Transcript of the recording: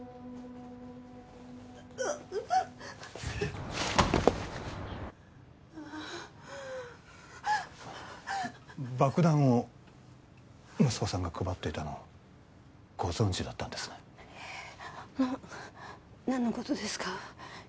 ううう爆弾を息子さんが配っていたのをご存じだったんですね何のことですか？